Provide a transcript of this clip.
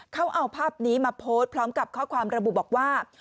เขาเอาภาพนี้มาโพสต์พร้อมกับข้อความระบุบอกว่า